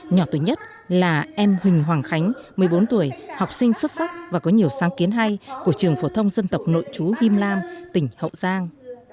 nhỏ tuổi nhất là em huỳnh hoàng khánh một mươi bốn tuổi học sinh xuất sắc và có nhiều sáng kiến hay của trường phổ thông dân tộc nội chú him lam tỉnh hậu giang